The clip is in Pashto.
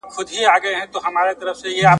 ځنګل د زمرو څخه خالي نه وي ,